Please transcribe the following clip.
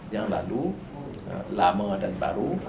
yang lalu lama dan baru